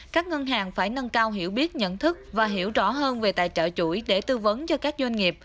các ngân hàng phải nâng cao hiểu biết nhận thức và hiểu rõ hơn về tài trợ chuỗi để tư vấn cho các doanh nghiệp